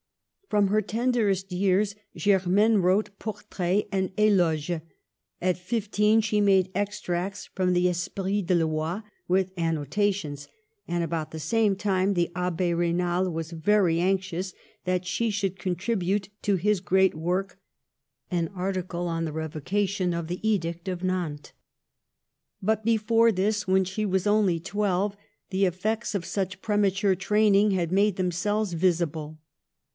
From her tenderest years Germaine wrote por traits and ttoges. At fifteen she made extracts from the Esprit de Lois, with annotations, and about the same time the Abb6 Raynal was very anxious that she should contribute to his great work an article on the Revolution of the Edict of Nantes. But before this, when she was only twelve, the effects of such premature training had made themselves visible.